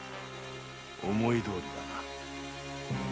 ・思いどおりだな。